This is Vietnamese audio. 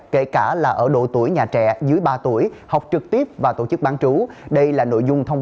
kể cả là ở độ tuổi nhà trẻ dưới ba tuổi học trực tiếp và tổ chức bán trú đây là nội dung thông